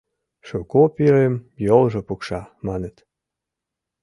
— ШукоПирым йолжо пукша, маныт.